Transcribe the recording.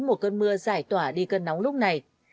một cơn mưa giải tỏa đi cơn nóng lúc này